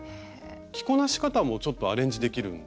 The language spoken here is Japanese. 着こなし方もちょっとアレンジできるんですよね。